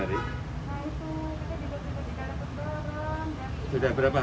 itu kalau yang dinilai sudah gak ada